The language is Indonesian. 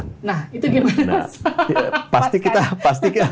nah itu gimana mas